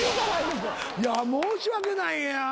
いや申し訳ない。